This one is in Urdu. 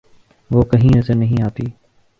وہ کہیں نظر نہیں آتی۔